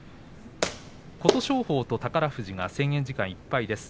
琴勝峰と宝富士が制限時間いっぱいです。